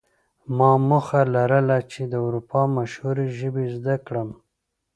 ما موخه لرله چې د اروپا مشهورې ژبې زده کړم